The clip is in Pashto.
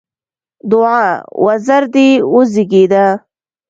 دوعا: وزر دې وزېږده!